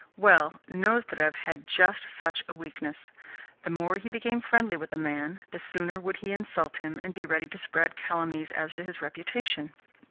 Well, Nozdrev had just such a weakness. The more he became friendly with a man, the sooner would he insult him, and be ready to spread calumnies as to his reputation.